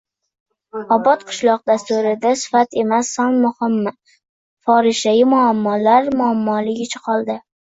“Obod qishloq” dasturida sifat emas, son muhimmi? Forishdagi muammolar muammoligicha qoldi